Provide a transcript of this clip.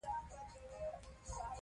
هغه د ډاکټر سره ښه اړیکه ساتي.